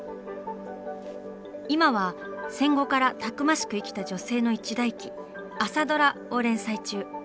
今は戦後からたくましく生きた女性の一代記「あさドラ！」を連載中。